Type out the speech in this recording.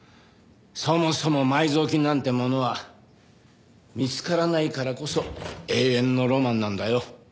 そもそも埋蔵金なんてものは見つからないからこそ永遠のロマンなんだよ。